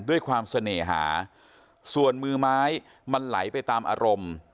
เสน่หาส่วนมือไม้มันไหลไปตามอารมณ์